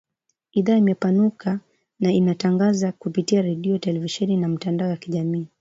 Idhaa imepanuka na inatangaza kupitia redio, televisheni na mitandao ya kijamii